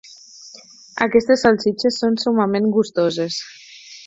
Aquestes salsitxes són summament gustoses.